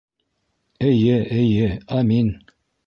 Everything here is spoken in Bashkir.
— Эйе, эйе, амин!